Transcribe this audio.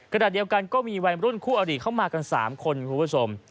ขนาดเดียวกันก็มีวัยรุ่นคู่อดีตเข้ามากันสามคนคุณผู้ผู้ชม